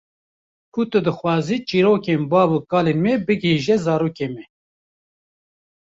Ku tu dixwazî çirokên bav û kalên me bigihîje zarokên me.